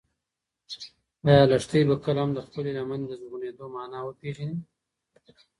ایا لښتې به کله هم د خپلې لمنې د زرغونېدو مانا وپېژني؟